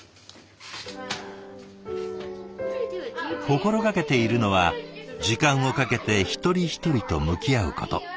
心がけているのは時間をかけて一人一人と向き合うこと。